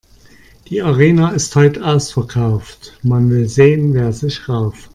Die Arena ist heut' ausverkauft, man will sehen, wer sich rauft.